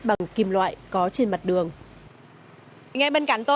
đóng gói chế biến sẵn